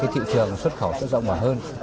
thị trường xuất khẩu sẽ rộng mở hơn